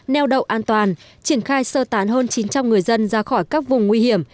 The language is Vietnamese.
neo đậu an toàn triển khai sơ tán hơn chín trăm linh người dân ra khỏi các vùng nguy hiểm